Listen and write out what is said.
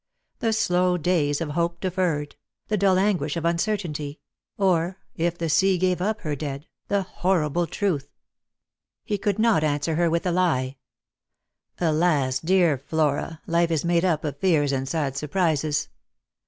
The slow days of hope deferred — the dull anguish of uncertainty — or, if the sea gave up her dead, the horrible truth. He could not answer her with a lie. " Alas, dear Flora, life is made up of fears and sad surprises.